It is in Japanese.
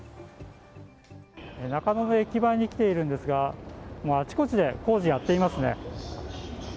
中野の駅前に来ているんですがあちこちで工事やっていますね。